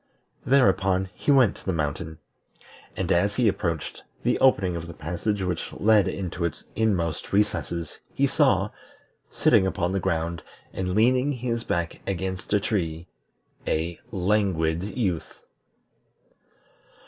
Thereupon he went to the mountain, and as he approached the opening of the passage which led into its inmost recesses he saw, sitting upon the ground, and leaning his back against a tree, a Languid Youth.